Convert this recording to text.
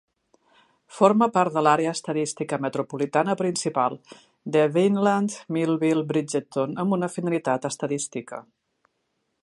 Forma part de l'Àrea estadística metropolitana principal de Vineland-Millville-Bridgeton amb una finalitat estadística.